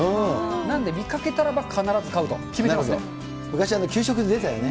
なんで見かけたらば必ず買うと決昔、給食で出てたよね。